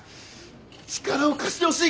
力を貸してほしい。